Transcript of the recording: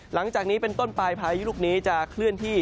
หลังจากนี้เป็นต้นปลายพายุลูกนี้จะเคลื่อนที่